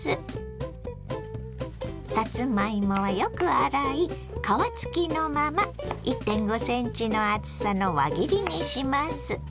さつまいもはよく洗い皮付きのまま１．５ｃｍの厚さの輪切りにします。